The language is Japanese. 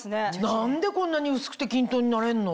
何でこんなに薄くて均等になれんの？